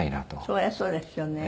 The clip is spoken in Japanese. そりゃそうですよね。